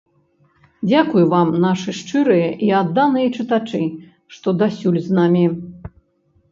Дзякуй вам, нашы шчырыя і адданыя чытачы, што дасюль з намі!